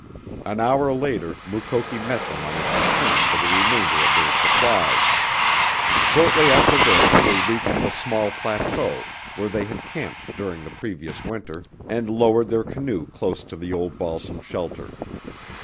An hour later Mukoki met them on his return for the remainder of their supplies. Shortly after this they reached the small plateau where they had camped during the previous winter, and lowered their canoe close to the old balsam shelter.